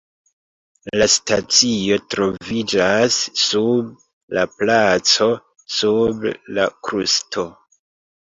La stacio troviĝas sub la placo sub la krusto.